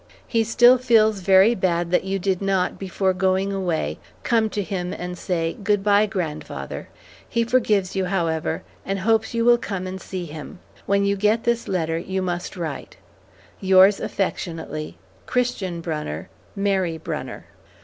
He still feels very bad that you did not, before going away, come to him and say "Good bye grandfather." He forgives you, however, and hopes you will come and see him. When you get this letter you must write. Yours affectionately, CHRISTIAN BRUNNER, MARY BRUNNER.